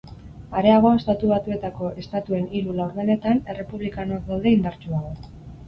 Areago, estatu batuetako estatuen hiru laurdenetan, errepublikanoak daude indartsuago.